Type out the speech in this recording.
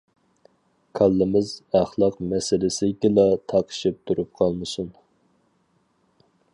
كاللىمىز ئەخلاق مەسىلىسىگىلا تاقىشىپ تۇرۇپ قالمىسۇن.